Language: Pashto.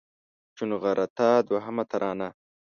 چونغرته دوهمه ترانه